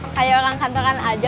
kayak orang kantoran aja